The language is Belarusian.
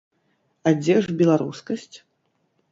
А дзе ж беларускасць?